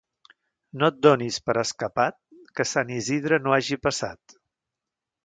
No et donis per escapat, que Sant Isidre no hagi passat.